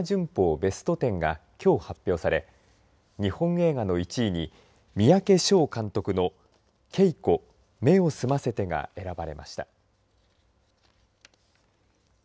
ベスト・テンがきょう発表され日本映画の１位に三宅唱監督のケイコ目を澄ませてが選ばれました。